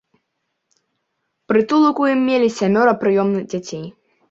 Прытулак у ім мелі сямёра прыёмных дзяцей.